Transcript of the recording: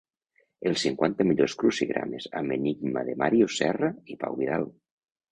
Els cinquanta millors crucigrames amb enigma de Màrius Serra i Pau Vidal.